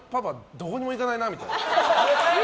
どこにも行かないなみたいな。